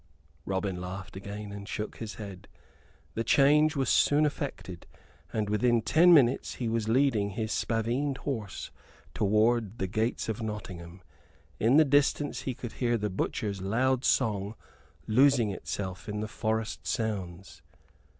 Robin laughed again and shook his head. The change was soon effected, and within ten minutes he was leading his spavined horse toward the gates of Nottingham. In the distance he could hear the butcher's loud song losing itself in the forest sounds.